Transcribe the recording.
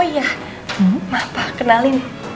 oh iya mbah pa kenalin